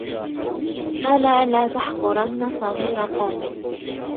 ألا لا تحقرن صغير قوم